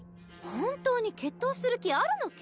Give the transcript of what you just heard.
本当に決闘する気あるのけ？